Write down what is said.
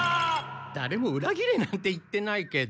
だれもうらぎれなんて言ってないけど。